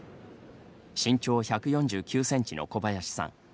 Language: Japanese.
身長１４９センチの小林さん。